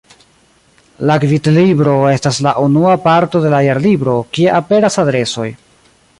La „Gvidlibro” estas la unua parto de la Jarlibro, kie aperas adresoj.